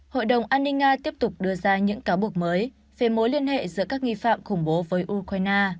hội đồng an ninh nga tiếp tục đưa ra những cáo buộc mới về mối liên hệ giữa các nghi phạm khủng bố với ukraine